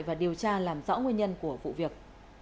và điều tra làm rõ nguyên nhân của vụ việc